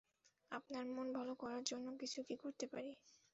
আপনার মন ভালো করার জন্য কিছু কি করতে পারি?